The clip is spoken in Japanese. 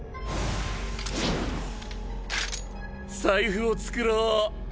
財布を作ろう。